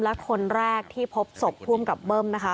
และคนแรกที่พบศพภูมิกับเบิ้มนะคะ